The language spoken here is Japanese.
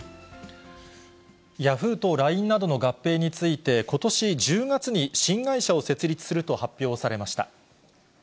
ヤフーとＬＩＮＥなどの合併について、ことし１０月に新会社を設立すると発表されました。